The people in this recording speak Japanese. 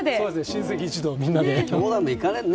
親戚一同みんなで。